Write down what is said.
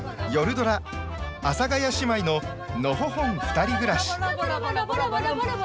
ドラ「阿佐ヶ谷姉妹ののほほんふたり暮らし」。